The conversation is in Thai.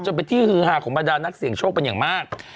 เป็นที่ฮือฮาของบรรดานักเสี่ยงโชคเป็นอย่างมาก